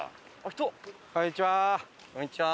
こんにちは。